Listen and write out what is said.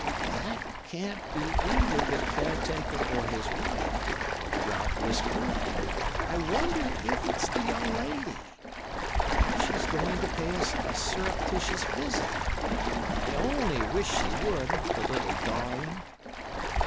"'That can't be either the caretaker or his wife,' Ralph whispered. 'I wonder if it's the young lady! Perhaps she's going to pay us a surreptitious visit. I only wish she would—the little darling!